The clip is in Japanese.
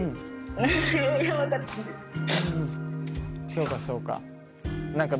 そうかそうか。